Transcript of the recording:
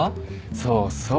そうそう。